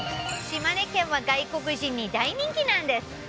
島根県は外国人に大人気なんです。